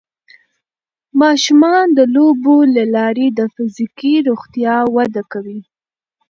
ماشومان د لوبو له لارې د فزیکي روغتیا وده کوي.